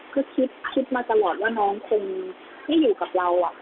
คือคิดมาตลอดว่าน้องคงไม่อยู่กับเรา